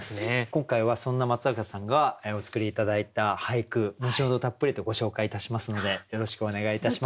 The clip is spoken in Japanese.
今回はそんな松坂さんがお作り頂いた俳句後ほどたっぷりとご紹介いたしますのでよろしくお願いいたします。